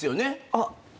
あっ。